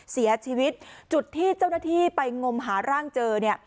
เสียชีวิตจุดที่เจ้าหน้าที่ไปงมหาร่างเจอเนี่ย